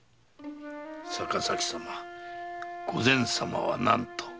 坂崎様御前様は何と？